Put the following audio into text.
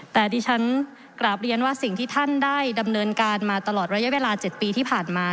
แต่ดิฉันกราบเรียนว่าสิ่งที่ท่านได้ดำเนินการมาตลอดระยะเวลา๗ปีที่ผ่านมา